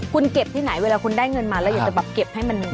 คุณเก็บที่ไหนเวลาคุณได้เงินมาแล้วอยากจะแบบเก็บให้มัน